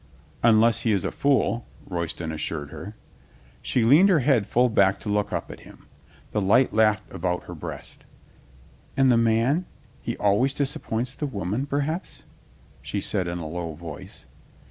"Unless he is a fool," Royston assured her. She leaned her head full back to look up at him. The light laughed about her breast. "And the man — he always disappoints the woman, perhaps?" she said in a low voice.